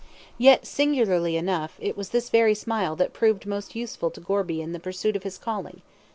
Yet, singularly enough, it was this very smile that proved most useful to Gorby in the pursuit of his calling.